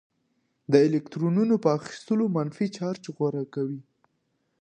د الکترونونو په اخیستلو منفي چارج غوره کوي.